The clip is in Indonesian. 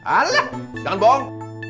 alah jangan bohong